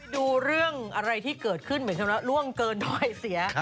ดูเรื่องอะไรที่เกิดขึ้นหมายความว่าล่วงเกินด้อยเสีย